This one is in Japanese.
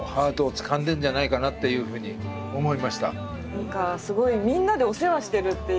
何かすごいみんなでお世話してるっていうふうに。